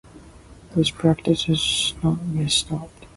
This practice has not yet stopped.